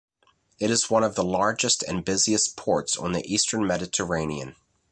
It is one of the largest and busiest ports on the Eastern Mediterranean.